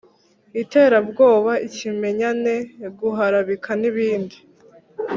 iterabwoba, ikimenyane, guharabika n’ibindi.